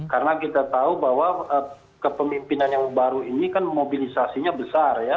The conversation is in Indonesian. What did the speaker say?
karena kita tahu bahwa kepemimpinan yang baru ini kan mobilisasinya besar ya